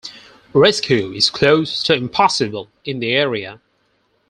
Rescue is close to impossible in the area.